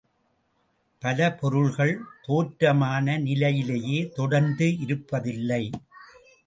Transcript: பல பொருள்கள் தோற்றமான நிலையிலேயே தொடர்ந்து இருப்பதில்லை.